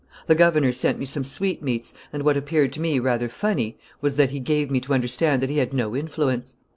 The governor sent me some sweetmeats, and what appeared to me rather funny was that he gave me to understand that he had no influence.